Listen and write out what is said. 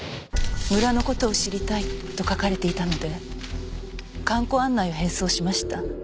村の事を知りたいと書かれていたので観光案内を返送しました。